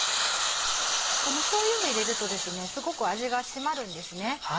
しょうゆを入れるとすごく味が締まるんですね。